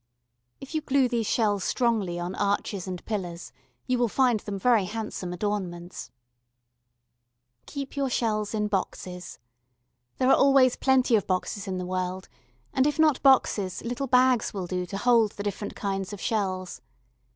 If you glue these shells strongly on arches and pillars you will find them very handsome adornments. [Illustration: THICK ARCHES.] Keep your shells in boxes. There are always plenty of boxes in the world, and if not boxes, little bags will do to hold the different kinds of shells.